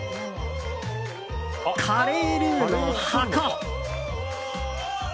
カレールーの箱！